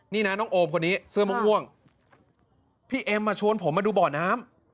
นี่นะน้องโอมคนนี้เสื้อม่วงพี่เอ็มมาชวนผมมาดูบ่อน้ำ